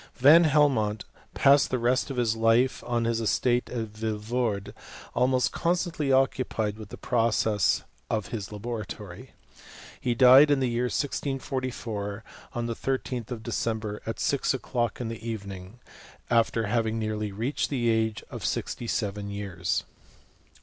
Van Helmont passed the rest of his life on his estate at Vilvorde, almost constantly occupied with the processes of his labora tory. He died in the year 1644, on the 13th of Decem ber, at six o'clock in the evening, after having nearly reached the age of sixty seven years.